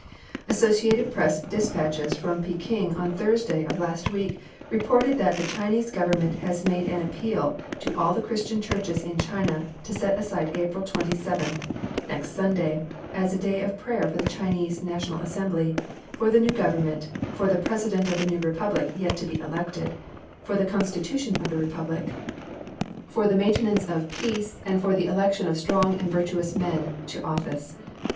Associated Press despatches from Peking on Thursday of last week reported that the Chinese Government has made an appeal to all the Christian churches in China to set aside April 27 next Sunday as a day of prayer for the Chinese National Assembly, for the new Government, for the President of the new Republic yet to be elected, for the constitution of the Republic, for the maintenance of peace and for the election of strong and virtuous men to office.